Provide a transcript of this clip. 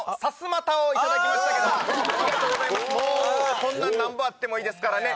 もうこんなんなんぼあってもいいですからね。